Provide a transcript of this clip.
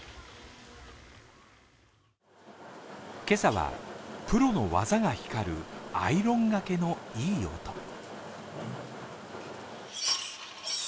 今朝はプロの技が光るアイロンがけのいい音。